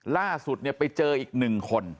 ล่าสุดเนี่ยไปเจออีก๑คน